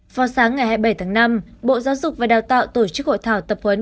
vào sáng ngày hai mươi bảy tháng năm bộ giáo dục và đào tạo tổ chức hội thảo tập huấn